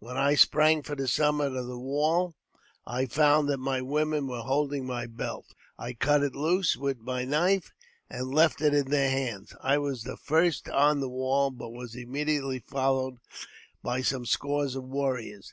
When I sprang for the summit of the wall, I 168 AUTOBIOGBAPHY OF 1 trifV* H found that my "women were holding my belt ; I cut it loose with my knife, and left it in their hands. I was the first on the wall, but was immediately followed by some scores of warriors.